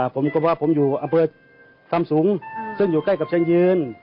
ผมก็ว่าผมอยู่อำเภอคำสูงซึ่งอยู่ใกล้กับเชียงยืน